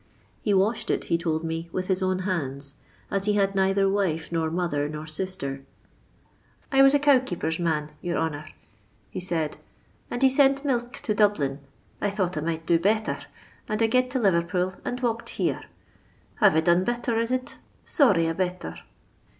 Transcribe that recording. He washed it, he told me, with his own hands, as he had neither wife, nor mo ther, nor sister. "I was a cow keeper's man, your honour," he said, "and he sent milk to Dublin. I thought I might do betthur, and I got to Liverpool, and walked here. Have I done betthur, is it 1 Sorry a betthur.